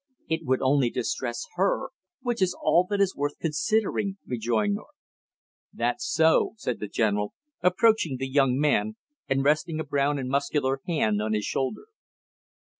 "It would only distress her which is all that is worth considering," rejoined North. "That's so!" said the general, approaching the young man and resting a brown and muscular hand on his shoulder.